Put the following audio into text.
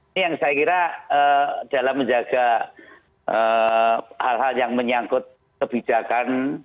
ini yang saya kira dalam menjaga hal hal yang menyangkut kebijakan